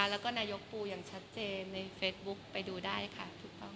และก็นายกปูอย่างชัดเจนในเฟซบุ๊คไปดูได้ค่ะ